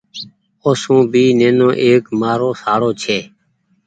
اوسون ڀي ايڪ نينومآرو شاڙو ڇي۔